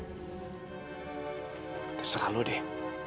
terserah lu deh